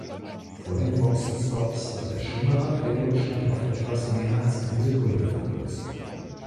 Vor den Boxenstopps hatte Schumacher den Rückstand auf etwas mehr als eine Sekunde verkürzt.